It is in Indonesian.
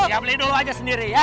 ya beli dulu aja sendiri ya